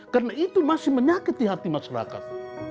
karena itu masih menyakiti hati masyarakat